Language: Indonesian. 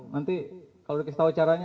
nanti kalau dikasih tahu caranya